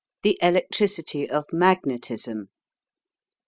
THE ELECTRICITY OF MAGNETISM.